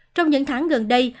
trong những tháng gần đây